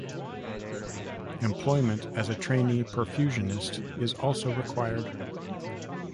Employment as a trainee perfusionist is also required.